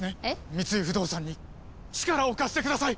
三井不動産に力を貸してください！